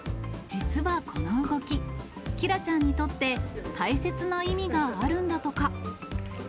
実はこの動き、キラちゃんにとって大切な意味があるんだとか。